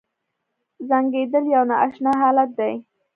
ځنکدن یو نا اشنا حالت دی .